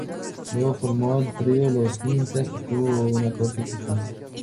Luego formó el trío "Los Incas", que tuvo una corta existencia.